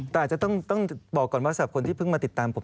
แต่อาจจะต้องบอกก่อนว่าสำหรับคนที่เพิ่งมาติดตามผม